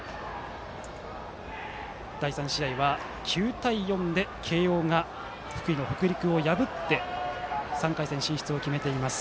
第３試合は９対４で、慶応が福井の北陸を破って３回戦進出を決めています。